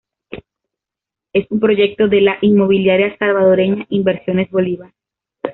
Es un proyecto de la Inmobiliaria Salvadoreña, Inversiones Bolívar.